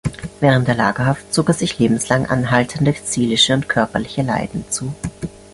Während der Lagerhaft zog er sich lebenslang anhaltende seelische und körperliche Leiden zu.